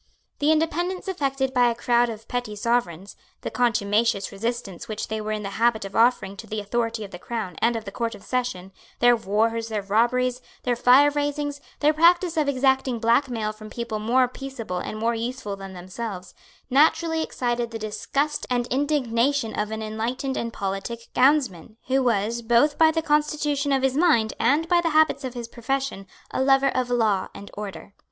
The independence affected by a crowd of petty sovereigns, the contumacious resistance which they were in the habit of offering to the authority of the Crown and of the Court of Session, their wars, their robberies, their fireraisings, their practice of exacting black mail from people more peaceable and more useful than themselves, naturally excited the disgust and indignation of an enlightened and politic gownsman, who was, both by the constitution of his mind and by the habits of his profession, a lover of law and order.